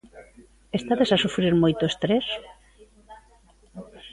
Estades a sufrir moito estrés?